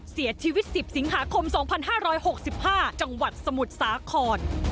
เสียชีวิต๑๐สิงหาคม๒๕๖๕จังหวัดสมุทรสาคร